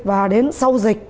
và đến sau dịch